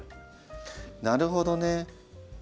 なるほどね。